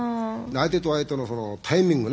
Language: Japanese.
相手と相手のそのタイミングね。